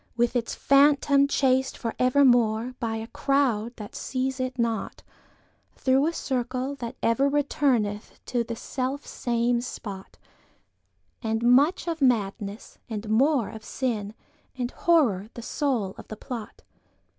With its Phantom chased for evermore, By a crowd that seize it not, Through a circle that ever returneth inTo the self same spot, And much of Madness, and more of Sin, And Horror the soul of the plot.